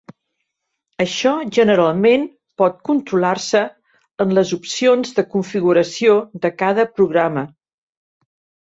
Això generalment pot controlar-se en les opcions de configuració de cada programa.